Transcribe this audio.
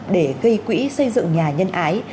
để gây quỹ xây dựng nhà nhân ái